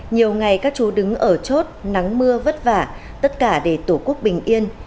nhiều ngày các chú đứng ở chốt nắng mưa vất vả tất cả để tổ quốc bình yên